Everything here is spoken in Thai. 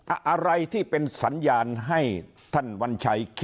อะไรที่เป็นสัญญาณให้ท่านวัญชัยคิด